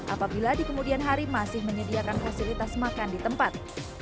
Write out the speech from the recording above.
apabila di kemudian hari masih menyediakan fasilitas makan di tempat